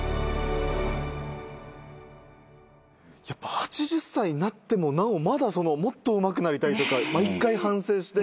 ８０歳になってもなおまだもっとうまくなりたいとか毎回反省して。